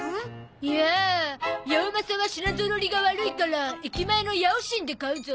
いや八百マサは品ぞろえが悪いから駅前の八百しんで買うゾ。